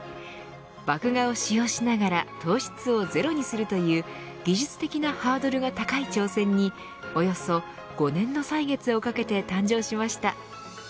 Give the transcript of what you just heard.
麦芽を使用しながら糖質をゼロにするという技術的なハードルが高い挑戦におよそ５年の歳月をかけて完成しました。